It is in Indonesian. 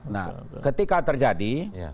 nah ketika terjadi